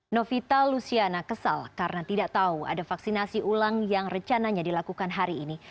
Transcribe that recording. novita luciana kesal karena tidak tahu ada vaksinasi ulang yang rencananya dilakukan hari ini